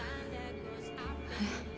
えっ？